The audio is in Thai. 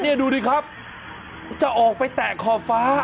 นี่ดูดิครับจะออกไปแตะขอบฟ้า